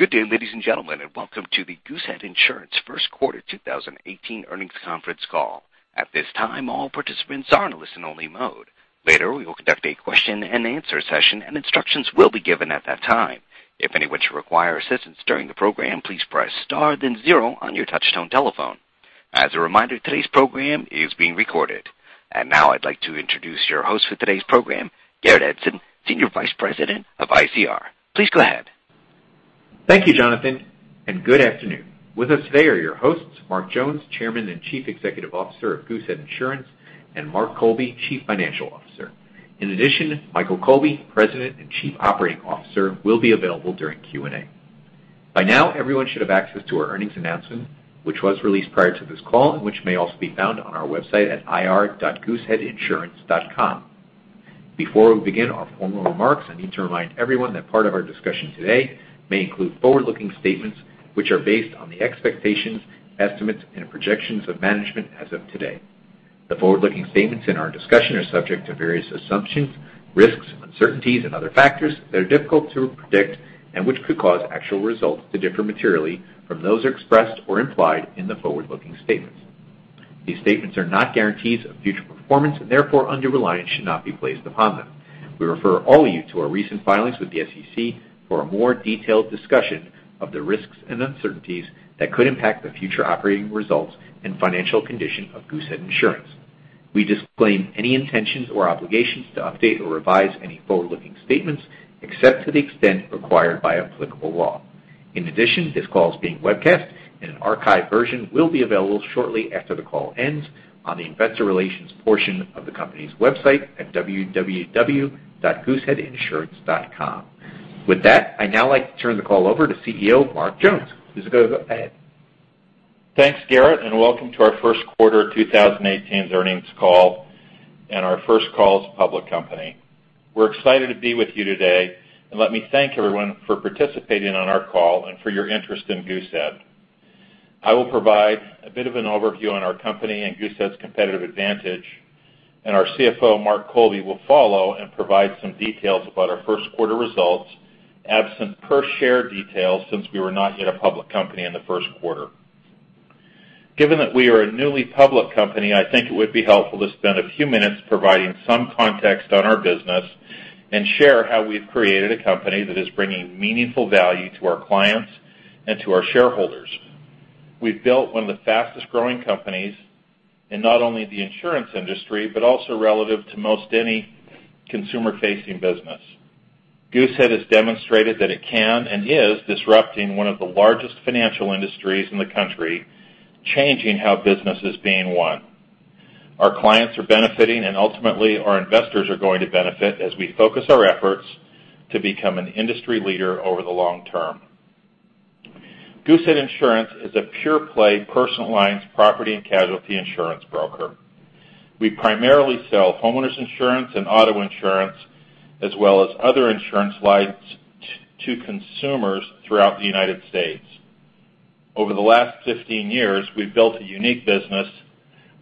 Good day, ladies and gentlemen, welcome to the Goosehead Insurance first quarter 2018 earnings conference call. At this time, all participants are in listen only mode. Later, we will conduct a question and answer session, and instructions will be given at that time. If anyone should require assistance during the program, please press star then zero on your touchtone telephone. As a reminder, today's program is being recorded. Now I'd like to introduce your host for today's program, Garrett Edson, Senior Vice President of ICR. Please go ahead. Thank you, Jonathan, good afternoon. With us today are your hosts, Mark Jones, Chairman and Chief Executive Officer of Goosehead Insurance, Mark Miller, Chief Financial Officer. In addition, Michael Colby, President and Chief Operating Officer, will be available during Q&A. By now, everyone should have access to our earnings announcement, which was released prior to this call and which may also be found on our website at ir.gooseheadinsurance.com. Before we begin our formal remarks, I need to remind everyone that part of our discussion today may include forward-looking statements which are based on the expectations, estimates, and projections of management as of today. Forward-looking statements in our discussion are subject to various assumptions, risks, uncertainties, and other factors that are difficult to predict and which could cause actual results to differ materially from those expressed or implied in the forward-looking statements. These statements are not guarantees of future performance therefore under-reliance should not be placed upon them. We refer all of you to our recent filings with the SEC for a more detailed discussion of the risks and uncertainties that could impact the future operating results and financial condition of Goosehead Insurance. We disclaim any intentions or obligations to update or revise any forward-looking statements, except to the extent required by applicable law. This call is being webcast and an archive version will be available shortly after the call ends on the investor relations portion of the company's website at www.gooseheadinsurance.com. I'd now like to turn the call over to CEO Mark Jones. Please go ahead. Thanks, Garrett, welcome to our first quarter 2018 earnings call, our first call as a public company. We're excited to be with you today, let me thank everyone for participating on our call and for your interest in Goosehead. I will provide a bit of an overview on our company Goosehead's competitive advantage, our CFO, Mark Miller, will follow and provide some details about our first quarter results, absent per share details since we were not yet a public company in the first quarter. Given that we are a newly public company, I think it would be helpful to spend a few minutes providing some context on our business and share how we've created a company that is bringing meaningful value to our clients and to our shareholders. We've built one of the fastest-growing companies in not only the insurance industry, but also relative to most any consumer-facing business. Goosehead has demonstrated that it can and is disrupting one of the largest financial industries in the country, changing how business is being won. Our clients are benefiting, and ultimately our investors are going to benefit as we focus our efforts to become an industry leader over the long term. Goosehead Insurance is a pure-play personal lines property and casualty insurance broker. We primarily sell homeowners insurance and auto insurance, as well as other insurance lines to consumers throughout the U.S. Over the last 15 years, we've built a unique business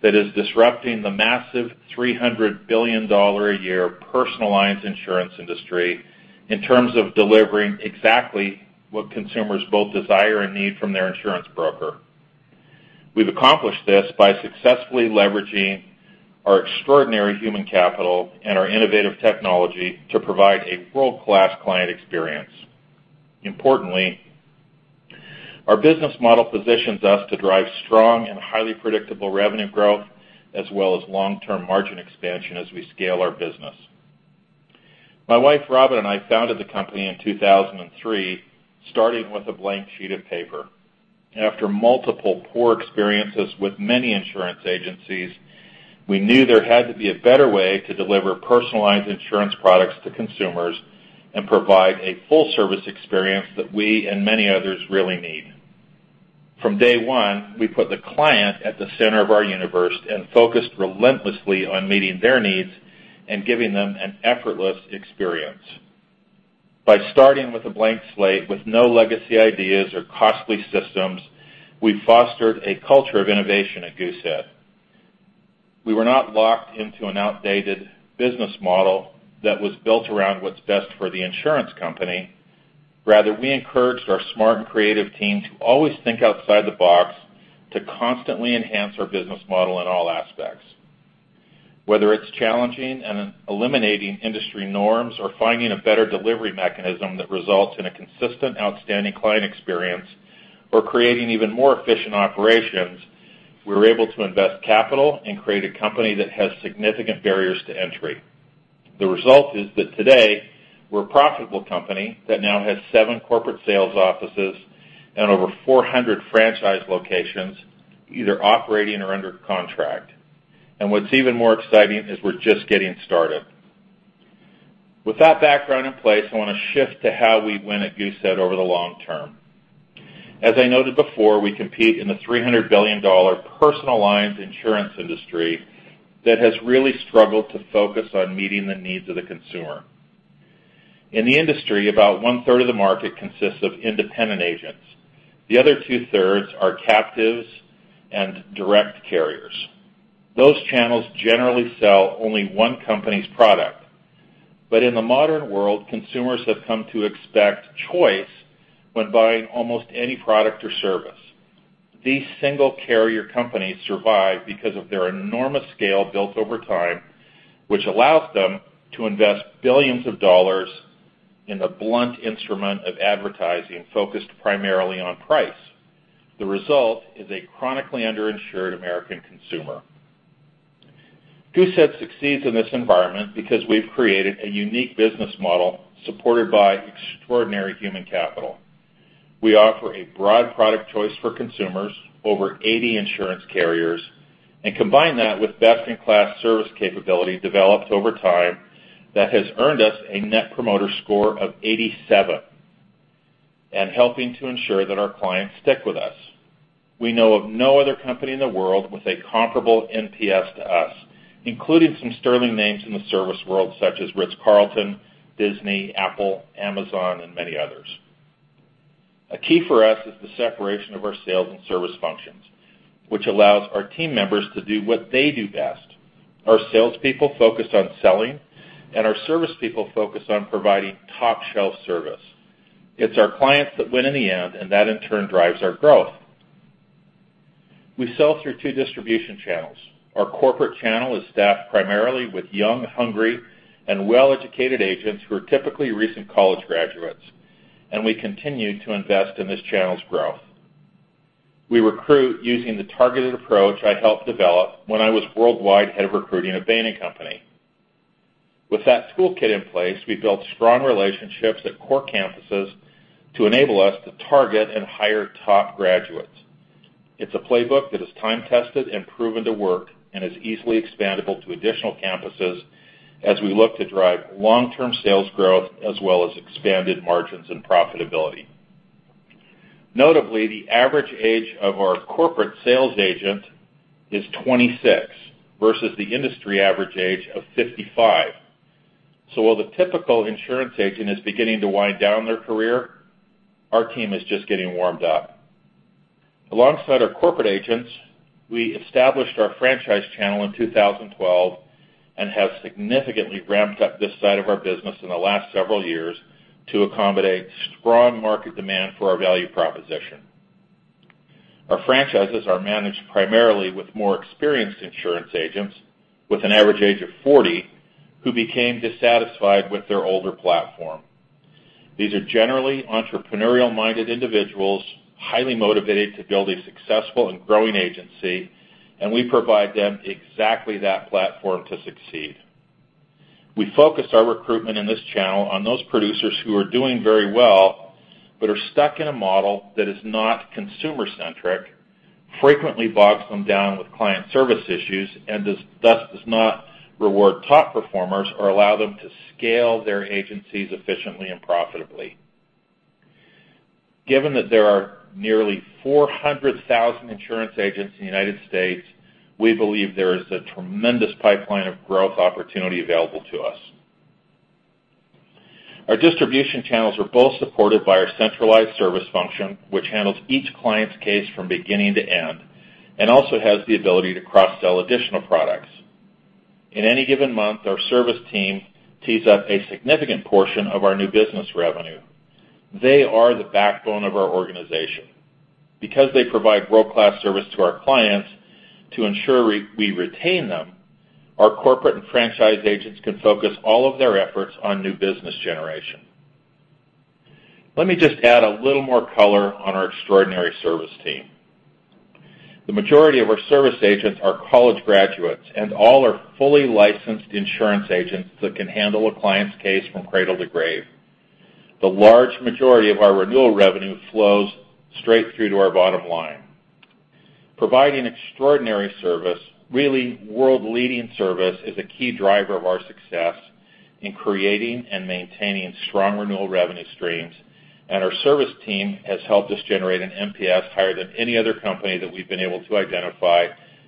that is disrupting the massive $300 billion a year personal lines insurance industry in terms of delivering exactly what consumers both desire and need from their insurance broker. We've accomplished this by successfully leveraging our extraordinary human capital and our innovative technology to provide a world-class client experience. Importantly, our business model positions us to drive strong and highly predictable revenue growth as well as long-term margin expansion as we scale our business. My wife Robyn and I founded the company in 2003, starting with a blank sheet of paper. After multiple poor experiences with many insurance agencies, we knew there had to be a better way to deliver personalized insurance products to consumers and provide a full-service experience that we and many others really need. From day one, we put the client at the center of our universe and focused relentlessly on meeting their needs and giving them an effortless experience. By starting with a blank slate with no legacy ideas or costly systems, we fostered a culture of innovation at Goosehead. We were not locked into an outdated business model that was built around what's best for the insurance company. Rather, we encouraged our smart and creative team to always think outside the box to constantly enhance our business model in all aspects. Whether it's challenging and eliminating industry norms or finding a better delivery mechanism that results in a consistent outstanding client experience or creating even more efficient operations, we were able to invest capital and create a company that has significant barriers to entry. The result is that today we're a profitable company that now has seven corporate sales offices and over 400 franchise locations either operating or under contract. What's even more exciting is we're just getting started. With that background in place, I want to shift to how we win at Goosehead over the long term. As I noted before, we compete in the $300 billion personal lines insurance industry that has really struggled to focus on meeting the needs of the consumer. In the industry, about one-third of the market consists of independent agents. The other two-thirds are captives and direct carriers. Those channels generally sell only one company's product. In the modern world, consumers have come to expect choice when buying almost any product or service. These single carrier companies survive because of their enormous scale built over time, which allows them to invest billions of dollars in the blunt instrument of advertising focused primarily on price. The result is a chronically underinsured American consumer. Goosehead succeeds in this environment because we've created a unique business model supported by extraordinary human capital. We offer a broad product choice for consumers, over 80 insurance carriers, and combine that with best-in-class service capability developed over time that has earned us a Net Promoter Score of 87, and helping to ensure that our clients stick with us. We know of no other company in the world with a comparable NPS to us, including some sterling names in the service world such as The Ritz-Carlton, Disney, Apple, Amazon, and many others. A key for us is the separation of our sales and service functions, which allows our team members to do what they do best. Our salespeople focus on selling and our service people focus on providing top shelf service. It's our clients that win in the end, and that in turn drives our growth. We sell through two distribution channels. Our corporate channel is staffed primarily with young, hungry, and well-educated agents who are typically recent college graduates. We continue to invest in this channel's growth. We recruit using the targeted approach I helped develop when I was worldwide head of recruiting at Bain & Company. With that toolkit in place, we built strong relationships at core campuses to enable us to target and hire top graduates. It's a playbook that is time-tested and proven to work, and is easily expandable to additional campuses as we look to drive long-term sales growth as well as expanded margins and profitability. Notably, the average age of our corporate sales agent is 26 versus the industry average age of 55. While the typical insurance agent is beginning to wind down their career, our team is just getting warmed up. Alongside our corporate agents, we established our franchise channel in 2012 and have significantly ramped up this side of our business in the last several years to accommodate strong market demand for our value proposition. Our franchises are managed primarily with more experienced insurance agents with an average age of 40 who became dissatisfied with their older platform. These are generally entrepreneurial-minded individuals, highly motivated to build a successful and growing agency. We provide them exactly that platform to succeed. We focus our recruitment in this channel on those producers who are doing very well but are stuck in a model that is not consumer centric, frequently bogs them down with client service issues, and thus does not reward top performers or allow them to scale their agencies efficiently and profitably. Given that there are nearly 400,000 insurance agents in the United States, we believe there is a tremendous pipeline of growth opportunity available to us. Our distribution channels are both supported by our centralized service function, which handles each client's case from beginning to end and also has the ability to cross-sell additional products. In any given month, our service team tees up a significant portion of our new business revenue. They are the backbone of our organization. Because they provide world-class service to our clients to ensure we retain them, our corporate and franchise agents can focus all of their efforts on new business generation. Let me just add a little more color on our extraordinary service team. The majority of our service agents are college graduates. All are fully licensed insurance agents that can handle a client's case from cradle to grave. The large majority of our renewal revenue flows straight through to our bottom line. Providing extraordinary service, really world leading service, is a key driver of our success in creating and maintaining strong renewal revenue streams. Our service team has helped us generate an NPS higher than any other company that we've been able to identify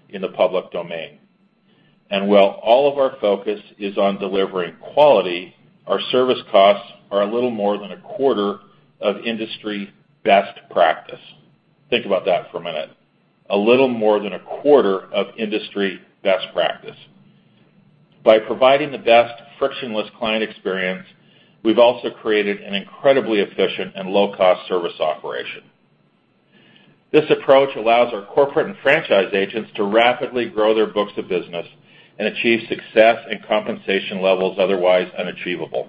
in the public domain. While all of our focus is on delivering quality, our service costs are a little more than a quarter of industry best practice. Think about that for a minute. A little more than a quarter of industry best practice. By providing the best frictionless client experience, we've also created an incredibly efficient and low cost service operation. This approach allows our corporate and franchise agents to rapidly grow their books of business and achieve success and compensation levels otherwise unachievable.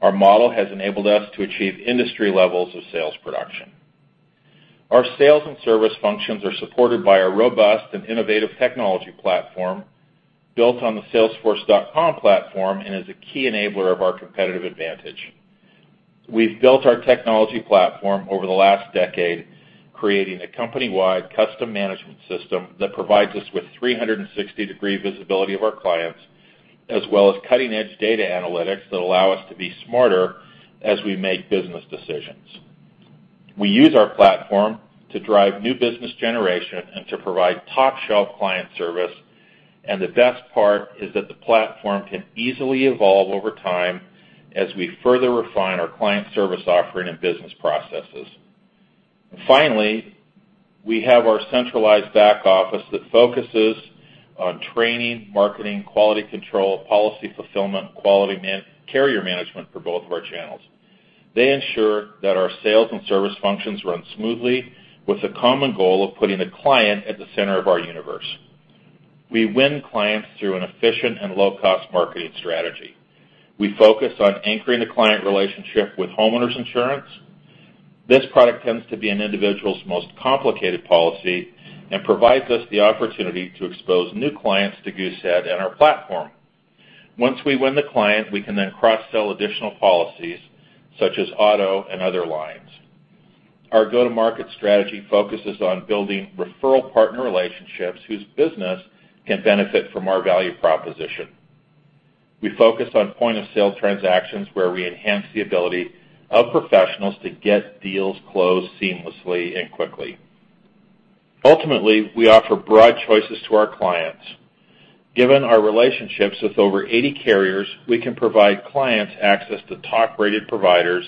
Our model has enabled us to achieve industry levels of sales production. Our sales and service functions are supported by a robust and innovative technology platform built on the salesforce.com platform and is a key enabler of our competitive advantage. We've built our technology platform over the last decade, creating a company-wide custom management system that provides us with 360 degree visibility of our clients, as well as cutting edge data analytics that allow us to be smarter as we make business decisions. We use our platform to drive new business generation and to provide top shelf client service. The best part is that the platform can easily evolve over time as we further refine our client service offering and business processes. Finally, we have our centralized back office that focuses on training, marketing, quality control, policy fulfillment, quality carrier management for both of our channels. They ensure that our sales and service functions run smoothly with the common goal of putting the client at the center of our universe. We win clients through an efficient and low-cost marketing strategy. We focus on anchoring the client relationship with homeowners insurance. This product tends to be an individual's most complicated policy and provides us the opportunity to expose new clients to Goosehead and our platform. Once we win the client, we can then cross-sell additional policies, such as auto and other lines. Our go-to-market strategy focuses on building referral partner relationships whose business can benefit from our value proposition. We focus on point-of-sale transactions, where we enhance the ability of professionals to get deals closed seamlessly and quickly. Ultimately, we offer broad choices to our clients. Given our relationships with over 80 carriers, we can provide clients access to top-rated providers,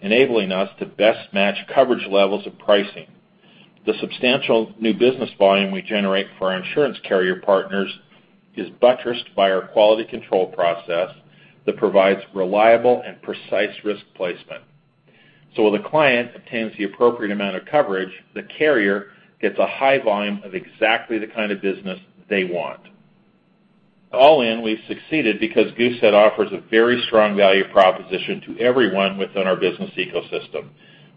enabling us to best match coverage levels of pricing. The substantial new business volume we generate for our insurance carrier partners is buttressed by our quality control process that provides reliable and precise risk placement. When the client obtains the appropriate amount of coverage, the carrier gets a high volume of exactly the kind of business they want. All in, we've succeeded because Goosehead offers a very strong value proposition to everyone within our business ecosystem,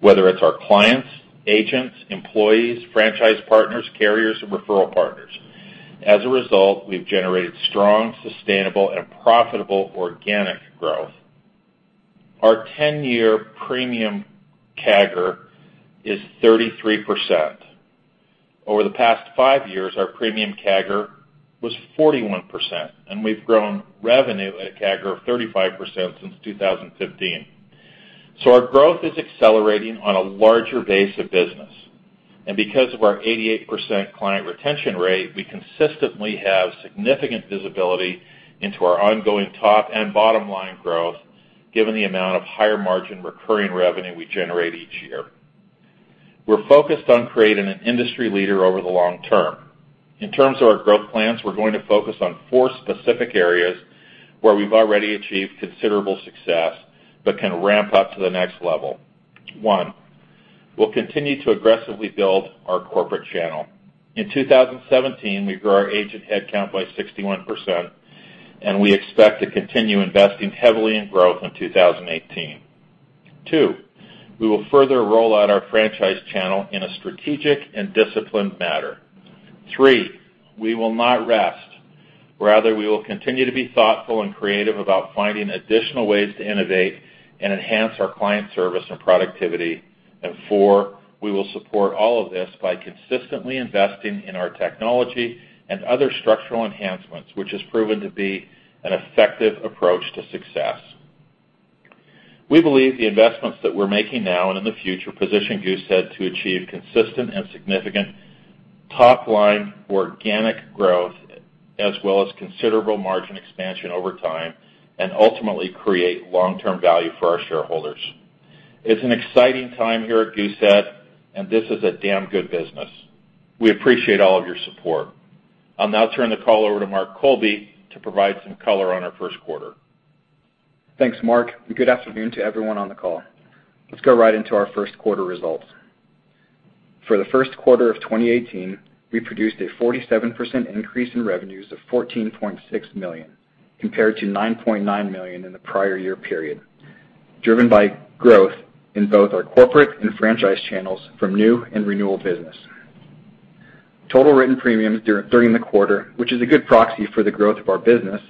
whether it's our clients, agents, employees, franchise partners, carriers, or referral partners. As a result, we've generated strong, sustainable, and profitable organic growth. Our 10-year premium CAGR is 33%. Over the past five years, our premium CAGR was 41%, and we've grown revenue at a CAGR of 35% since 2015. Our growth is accelerating on a larger base of business. Because of our 88% client retention rate, we consistently have significant visibility into our ongoing top-line and bottom-line growth given the amount of higher margin recurring revenue we generate each year. We are focused on creating an industry leader over the long term. In terms of our growth plans, we are going to focus on four specific areas where we have already achieved considerable success but can ramp up to the next level. One, we will continue to aggressively build our corporate channel. In 2017, we grew our agent headcount by 61%, and we expect to continue investing heavily in growth in 2018. Two, we will further roll out our franchise channel in a strategic and disciplined manner. Three, we will not rest. Rather, we will continue to be thoughtful and creative about finding additional ways to innovate and enhance our client service and productivity. Four, we will support all of this by consistently investing in our technology and other structural enhancements, which has proven to be an effective approach to success. We believe the investments that we are making now and in the future position Goosehead to achieve consistent and significant top-line organic growth, as well as considerable margin expansion over time, and ultimately create long-term value for our shareholders. It is an exciting time here at Goosehead, and this is a damn good business. We appreciate all of your support. I will now turn the call over to Mark Miller to provide some color on our first quarter. Thanks, Mark, and good afternoon to everyone on the call. Let us go right into our first quarter results. For the first quarter of 2018, we produced a 47% increase in revenues of $14.6 million compared to $9.9 million in the prior year period, driven by growth in both our corporate and franchise channels from new and renewal business. Total written premiums during the quarter, which is a good proxy for the growth of our business,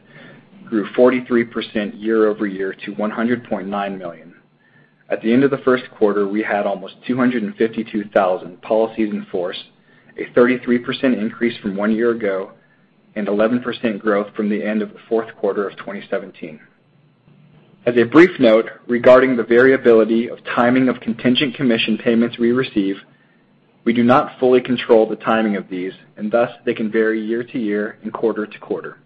grew 43% year-over-year to $100.9 million. At the end of the first quarter, we had almost 252,000 policies in force, a 33% increase from one year ago and 11% growth from the end of the fourth quarter of 2017. As a brief note regarding the variability of timing of contingent commission payments we receive, we do not fully control the timing of these, and thus, they can vary year-to-year and quarter-to-quarter.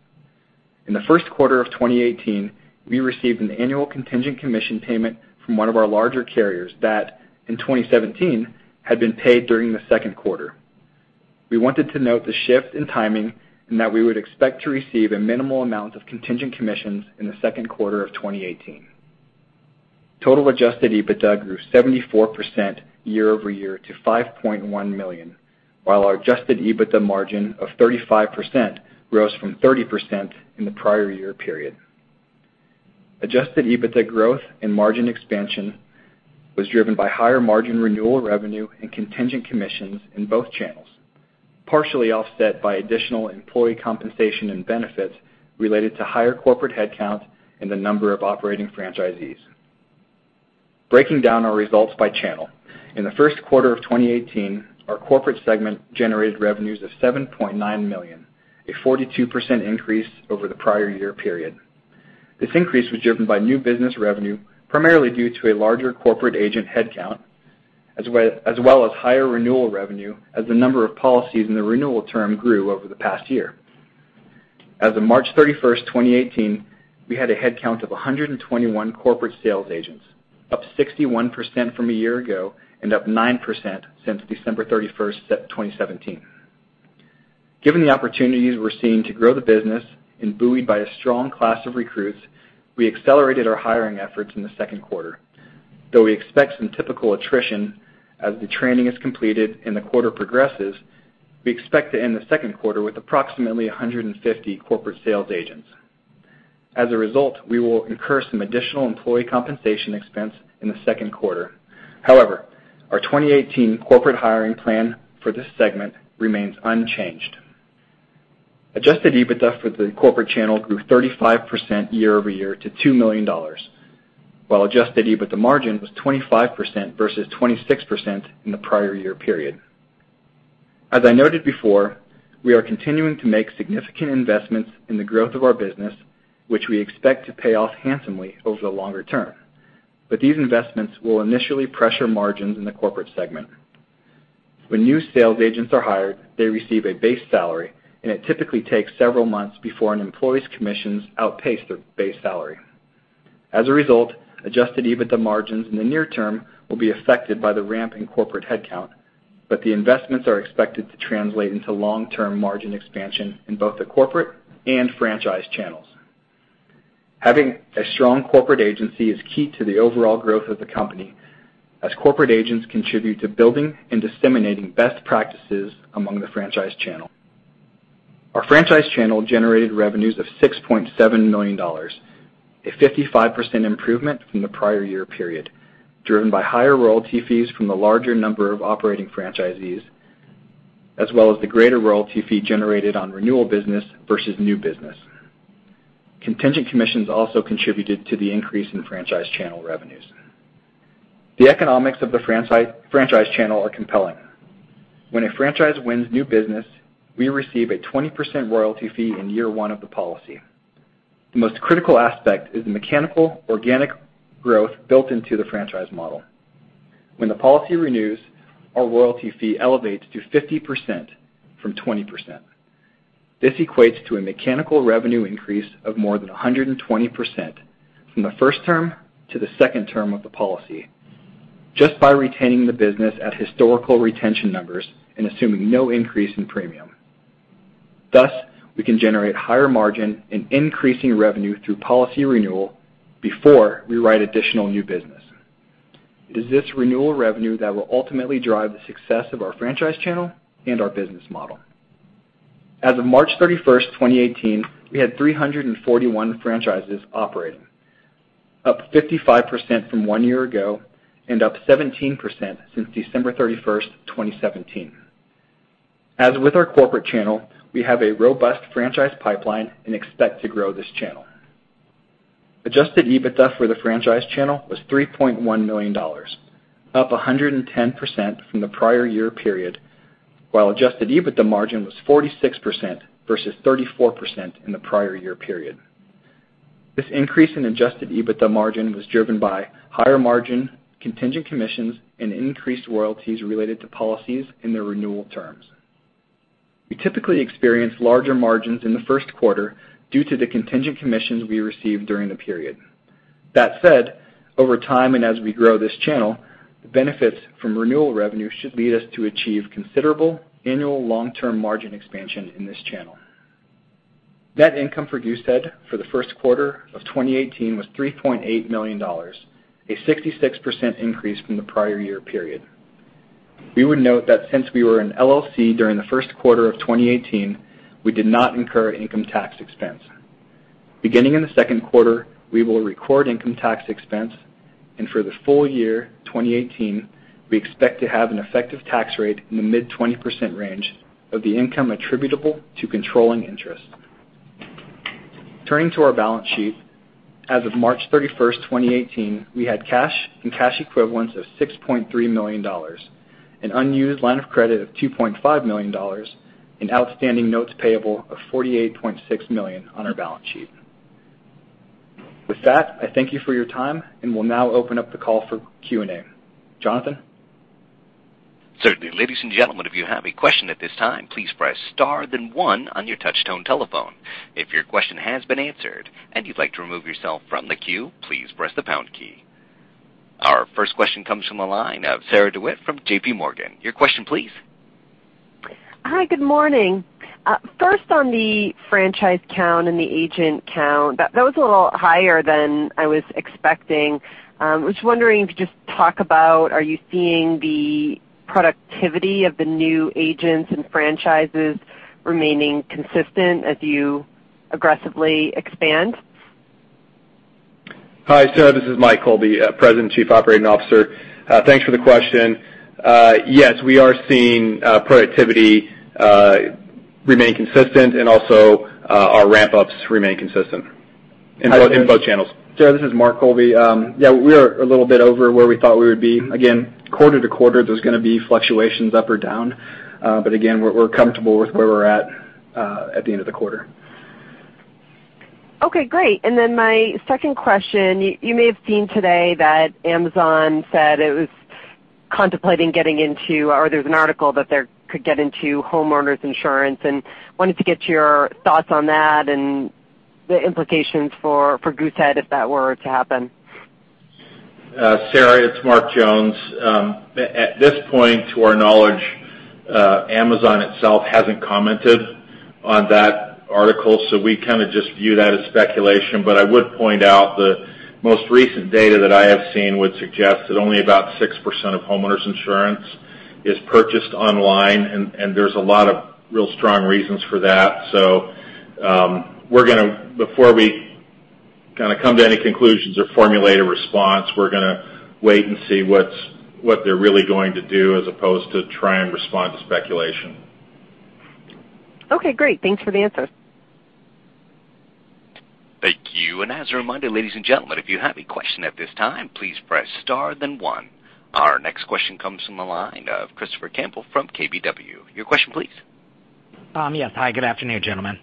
In the first quarter of 2018, we received an annual contingent commission payment from one of our larger carriers that, in 2017, had been paid during the second quarter. We wanted to note the shift in timing and that we would expect to receive a minimal amount of contingent commissions in the second quarter of 2018. Total adjusted EBITDA grew 74% year-over-year to $5.1 million, while our adjusted EBITDA margin of 35% rose from 30% in the prior year period. Adjusted EBITDA growth and margin expansion was driven by higher margin renewal revenue and contingent commissions in both channels, partially offset by additional employee compensation and benefits related to higher corporate headcount and the number of operating franchisees. Breaking down our results by channel. In the first quarter of 2018, our corporate segment generated revenues of $7.9 million, a 42% increase over the prior year period. This increase was driven by new business revenue, primarily due to a larger corporate agent headcount, as well as higher renewal revenue as the number of policies in the renewal term grew over the past year. As of March 31st, 2018, we had a headcount of 121 corporate sales agents, up 61% from a year ago and up 9% since December 31st, 2017. Given the opportunities we're seeing to grow the business and buoyed by a strong class of recruits, we accelerated our hiring efforts in the second quarter. Though we expect some typical attrition as the training is completed and the quarter progresses, we expect to end the second quarter with approximately 150 corporate sales agents. As a result, we will incur some additional employee compensation expense in the second quarter. However, our 2018 corporate hiring plan for this segment remains unchanged. Adjusted EBITDA for the corporate channel grew 35% year-over-year to $2 million, while Adjusted EBITDA margin was 25% versus 26% in the prior year period. As I noted before, we are continuing to make significant investments in the growth of our business, which we expect to pay off handsomely over the longer term. These investments will initially pressure margins in the corporate segment. When new sales agents are hired, they receive a base salary, and it typically takes several months before an employee's commissions outpace their base salary. As a result, Adjusted EBITDA margins in the near term will be affected by the ramp in corporate headcount, but the investments are expected to translate into long-term margin expansion in both the corporate and franchise channels. Having a strong corporate agency is key to the overall growth of the company, as corporate agents contribute to building and disseminating best practices among the franchise channel. Our franchise channel generated revenues of $6.7 million, a 55% improvement from the prior year period, driven by higher royalty fees from the larger number of operating franchisees, as well as the greater royalty fee generated on renewal business versus new business. Contingent commissions also contributed to the increase in franchise channel revenues. The economics of the franchise channel are compelling. When a franchise wins new business, we receive a 20% royalty fee in year one of the policy. The most critical aspect is the mechanical organic growth built into the franchise model. When the policy renews, our royalty fee elevates to 50% from 20%. This equates to a mechanical revenue increase of more than 120% from the first term to the second term of the policy, just by retaining the business at historical retention numbers and assuming no increase in premium. Thus, we can generate higher margin and increasing revenue through policy renewal before we write additional new business. It is this renewal revenue that will ultimately drive the success of our franchise channel and our business model. As of March 31st, 2018, we had 341 franchises operating, up 55% from one year ago and up 17% since December 31st, 2017. As with our corporate channel, we have a robust franchise pipeline and expect to grow this channel. Adjusted EBITDA for the franchise channel was $3.1 million, up 110% from the prior year period, while adjusted EBITDA margin was 46% versus 34% in the prior year period. This increase in adjusted EBITDA margin was driven by higher margin contingent commissions and increased royalties related to policies in their renewal terms. We typically experience larger margins in the first quarter due to the contingent commissions we receive during the period. That said, over time and as we grow this channel, the benefits from renewal revenue should lead us to achieve considerable annual long-term margin expansion in this channel. Net income for Goosehead for the first quarter of 2018 was $3.8 million, a 66% increase from the prior year period. We would note that since we were an LLC during the first quarter of 2018, we did not incur income tax expense. Beginning in the second quarter, we will record income tax expense, and for the full year 2018, we expect to have an effective tax rate in the mid-20% range of the income attributable to controlling interest. Turning to our balance sheet. As of March 31st, 2018, we had cash and cash equivalents of $6.3 million, an unused line of credit of $2.5 million, and outstanding notes payable of $48.6 million on our balance sheet. With that, I thank you for your time and will now open up the call for Q&A. Jonathan? Certainly. Ladies and gentlemen, if you have a question at this time, please press star then one on your touchtone telephone. If your question has been answered and you'd like to remove yourself from the queue, please press the pound key. Our first question comes from the line of Sarah DeWitt from J.P. Morgan. Your question please. Hi, good morning. First, on the franchise count and the agent count, that was a little higher than I was expecting. I was wondering if you could just talk about, are you seeing the productivity of the new agents and franchises remaining consistent as you aggressively expand? Hi, Sarah, this is Michael Colby, President and Chief Operating Officer. Thanks for the question. Yes, we are seeing productivity remain consistent and also our ramp-ups remain consistent in both channels. Sarah, this is Mark Colby. Yeah, we are a little bit over where we thought we would be. Again, quarter to quarter, there's going to be fluctuations up or down. Again, we're comfortable with where we're at the end of the quarter. Okay, great. Then my second question, you may have seen today that Amazon said it was contemplating getting into, or there's an article that they could get into homeowners insurance, and wanted to get your thoughts on that and the implications for Goosehead if that were to happen. Sarah, it's Mark Jones. At this point, to our knowledge, Amazon itself hasn't commented on that article, so we kind of just view that as speculation. I would point out the most recent data that I have seen would suggest that only about 6% of homeowners insurance is purchased online, and there's a lot of real strong reasons for that. Before we come to any conclusions or formulate a response, we're going to wait and see what they're really going to do as opposed to try and respond to speculation. Okay, great. Thanks for the answers. Thank you. As a reminder, ladies and gentlemen, if you have a question at this time, please press star then one. Our next question comes from the line of Christopher Campbell from KBW. Your question, please. Yes. Hi, good afternoon, gentlemen.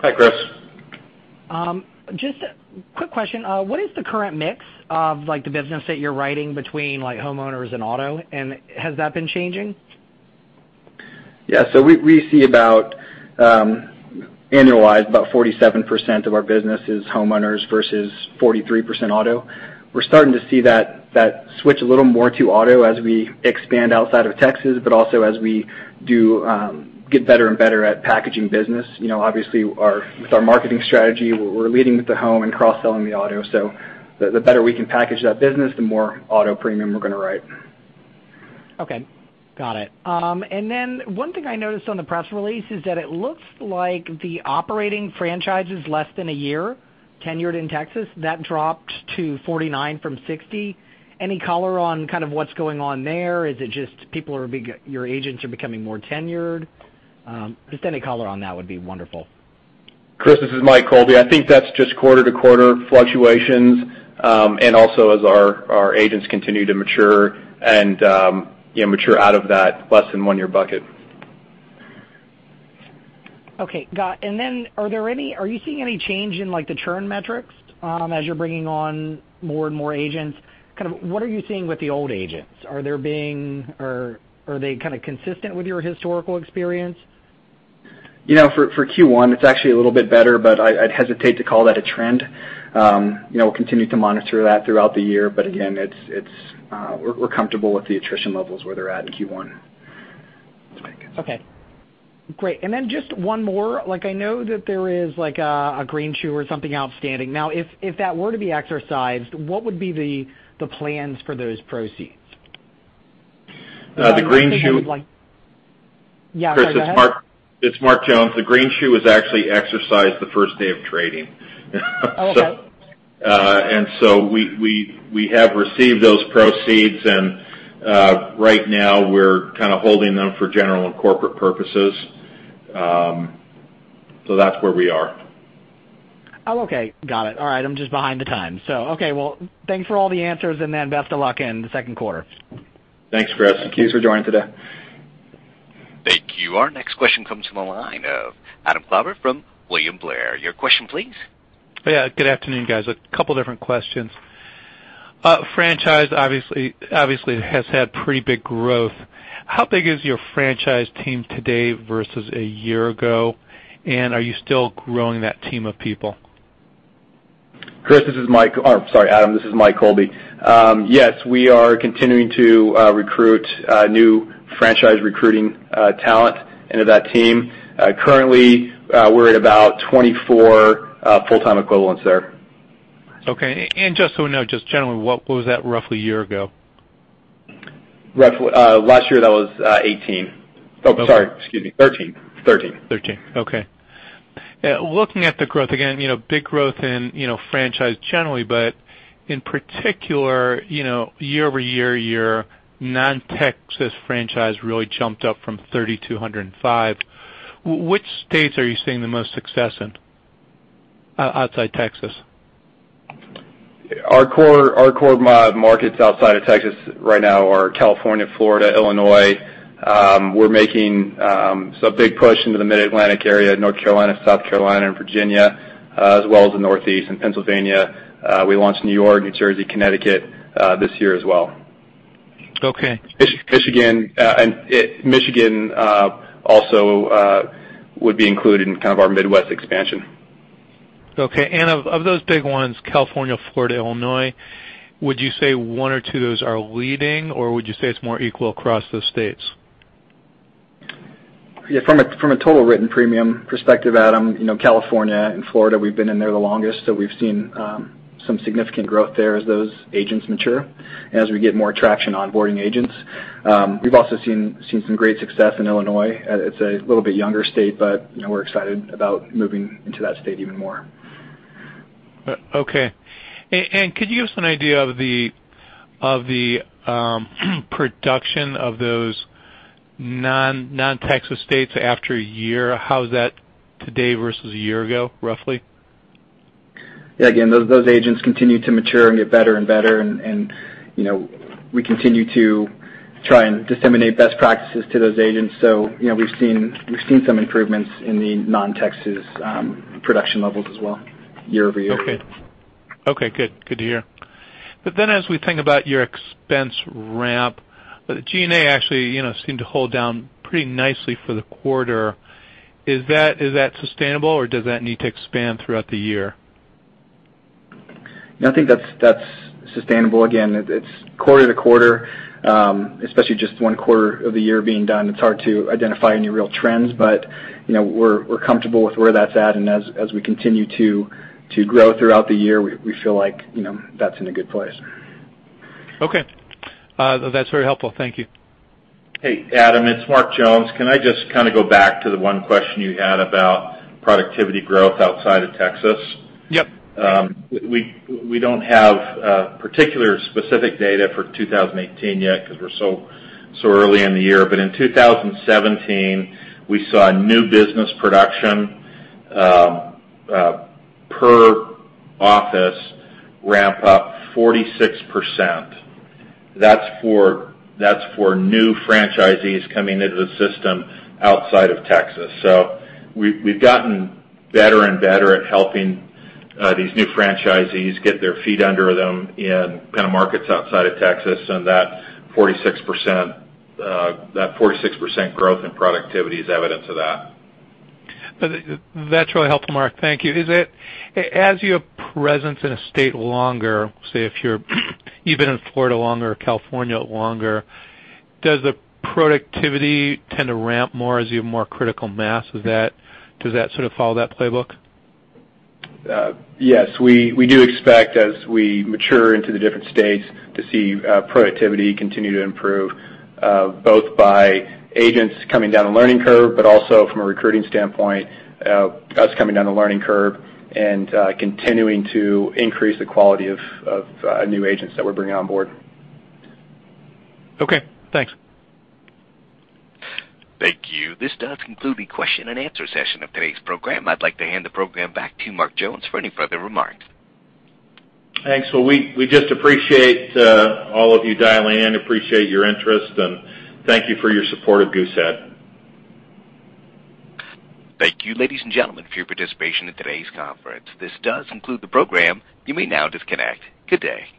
Hi, Chris. Just a quick question. What is the current mix of the business that you're writing between homeowners and auto, has that been changing? Yeah. We see about, annualized, about 47% of our business is homeowners versus 43% auto. We're starting to see that switch a little more to auto as we expand outside of Texas, but also as we do get better and better at packaging business. Obviously, with our marketing strategy, we're leading with the home and cross-selling the auto. The better we can package that business, the more auto premium we're going to write. Okay. Got it. One thing I noticed on the press release is that it looks like the operating franchise is less than one year tenured in Texas. That dropped to 49 from 60. Any color on kind of what's going on there? Is it just your agents are becoming more tenured? Just any color on that would be wonderful. Chris, this is Mike Colby. I think that's just quarter-to-quarter fluctuations. Also as our agents continue to mature out of that less than one year bucket. Okay. Got it. Are you seeing any change in the churn metrics as you're bringing on more and more agents? What are you seeing with the old agents? Are they kind of consistent with your historical experience? For Q1, it's actually a little bit better, I'd hesitate to call that a trend. We'll continue to monitor that throughout the year, again, we're comfortable with the attrition levels where they're at in Q1. Okay, great. Just one more. I know that there is a greenshoe or something outstanding. If that were to be exercised, what would be the plans for those proceeds? The greenshoe- Yeah. Sorry, go ahead. Chris, it's Mark Jones. The greenshoe was actually exercised the first day of trading. Oh, okay. We have received those proceeds, and right now we're kind of holding them for general and corporate purposes. That's where we are. Oh, okay. Got it. All right. I'm just behind the times. Okay. Well, thanks for all the answers, best of luck in the second quarter. Thanks, Chris. Thanks for joining today. Thank you. Our next question comes from the line of Adam Klauber from William Blair. Your question, please. Yeah. Good afternoon, guys. A couple different questions. Franchise obviously has had pretty big growth. How big is your franchise team today versus a year ago? Are you still growing that team of people? Adam, this is Mike Colby. Yes, we are continuing to recruit new franchise recruiting talent into that team. Currently, we're at about 24 full-time equivalents there. Okay. Just so we know, just generally, what was that roughly a year ago? Last year, that was 18. Sorry. Excuse me, 13. 13. Okay. Looking at the growth again, big growth in franchise generally, but in particular year-over-year, your non-Texas franchise really jumped up from 30 to 105. Which states are you seeing the most success in outside Texas? Our core markets outside of Texas right now are California, Florida, Illinois. We're making some big push into the Mid-Atlantic area, North Carolina, South Carolina, and Virginia, as well as the Northeast and Pennsylvania. We launched New York, New Jersey, Connecticut this year as well. Okay. Michigan also would be included in kind of our Midwest expansion. Okay. Of those big ones, California, Florida, Illinois, would you say one or two of those are leading, or would you say it's more equal across those states? From a total written premium perspective, Adam, California and Florida, we've been in there the longest, so we've seen some significant growth there as those agents mature and as we get more traction onboarding agents. We've also seen some great success in Illinois. It's a little bit younger state, but we're excited about moving into that state even more. Okay. Could you give us an idea of the production of those non-Texas states after a year? How is that today versus a year ago, roughly? Yeah. Again, those agents continue to mature and get better and better and we continue to try and disseminate best practices to those agents. We've seen some improvements in the non-Texas production levels as well year-over-year. Okay. Good to hear. As we think about your expense ramp, the G&A actually seemed to hold down pretty nicely for the quarter. Is that sustainable, or does that need to expand throughout the year? No, I think that's sustainable. Again, it's quarter to quarter, especially just one quarter of the year being done, it's hard to identify any real trends. We're comfortable with where that's at, and as we continue to grow throughout the year, we feel like that's in a good place. Okay. That's very helpful. Thank you. Hey, Adam, it's Mark Jones. Can I just go back to the one question you had about productivity growth outside of Texas? Yep. We don't have particular specific data for 2018 yet because we're so early in the year. In 2017, we saw new business production, per office, ramp up 46%. That's for new franchisees coming into the system outside of Texas. We've gotten better and better at helping these new franchisees get their feet under them in markets outside of Texas, and that 46% growth in productivity is evidence of that. That's really helpful, Mark. Thank you. As you have presence in a state longer, say if you're even in Florida longer or California longer, does the productivity tend to ramp more as you have more critical mass? Does that sort of follow that playbook? Yes, we do expect as we mature into the different states to see productivity continue to improve, both by agents coming down a learning curve, but also from a recruiting standpoint, us coming down a learning curve and continuing to increase the quality of new agents that we're bringing on board. Okay, thanks. Thank you. This does conclude the question and answer session of today's program. I'd like to hand the program back to Mark Jones for any further remarks. Thanks. Well, we just appreciate all of you dialing in, appreciate your interest, and thank you for your support of Goosehead. Thank you, ladies and gentlemen, for your participation in today's conference. This does conclude the program. You may now disconnect. Good day.